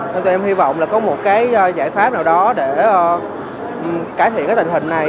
thế tụi em hy vọng là có một cái giải pháp nào đó để cải thiện cái tình hình này